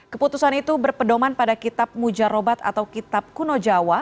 keputusan itu berpedoman pada kitab mujarobat atau kitab kuno jawa